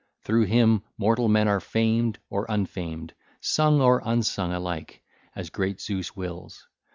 Through him mortal men are famed or un famed, sung or unsung alike, as great Zeus wills.